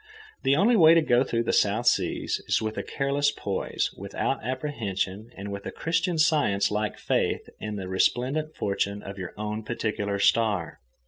The only happy way to go through the South Seas is with a careless poise, without apprehension, and with a Christian Science like faith in the resplendent fortune of your own particular star.